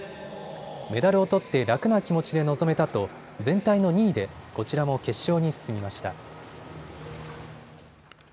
メダルをとって楽な気持ちで臨めたと全体の２位でこちらも決勝に進みました。